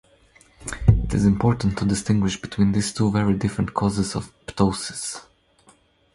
It is important to distinguish between these two very different causes of ptosis.